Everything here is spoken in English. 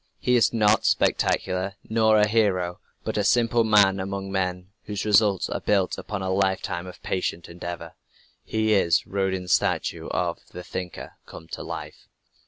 He is not spectacular, nor a "hero," but a simple man among men, whose results are built upon a lifetime of patient endeavor. He is Rodin's statue of "The Thinker" come to life.